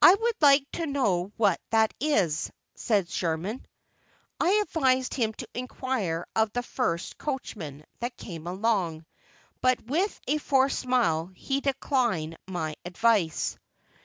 "I would like to know what that is," said Sherman. I advised him to inquire of the first coachman that came along, but, with a forced smile, he declined my advice.